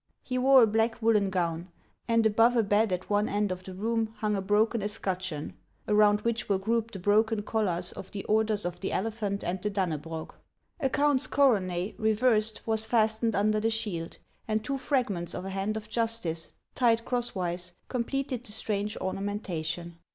He wore a black woollen gown, and above a bed at one end of the room hung a broken escutcheon, around which were grouped the broken collars of the orders of the Elephant and the Dannebrog; a count's coronet, re 48 HANS OF ICELAND. versed, was fastened under the shield, and two fragments of a hand of Justice, tied crosswise, completed the strange ornamentation.